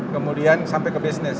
kemudian sampai ke bisnis